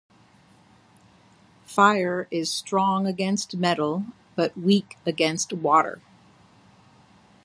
Fire is strong against metal, but weak against water.